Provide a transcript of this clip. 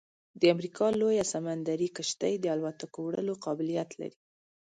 د امریکا لویه سمندري کشتۍ د الوتکو وړلو قابلیت لري